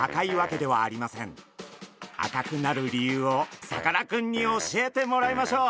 赤くなる理由をさかなクンに教えてもらいましょう。